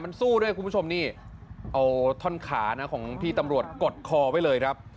มันสู้ด้วยคุณผู้ชมนี่เอาท่อนขานะของพี่ตำรวจกดคอไว้เลยครับ